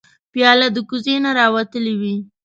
پیاله د کوزې نه راوتلې وي.